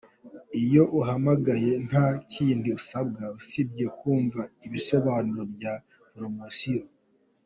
Iyo uhamagaye nta kindi usabwa usibye kumva ibisobanuro bya poromosiyo .